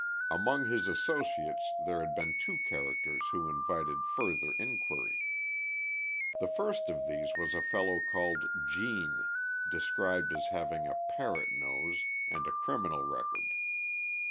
Among his associates there had been two characters who invited further inquiry. The first of these was a fellow called "Gene," described as having a "parrot nose," and a criminal record.